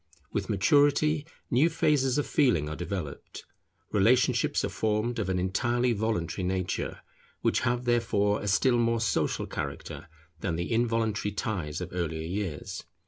With maturity new phases of feeling are developed. Relationships are formed of an entirely voluntary nature; which have therefore a still more social character than the involuntary ties of earlier years.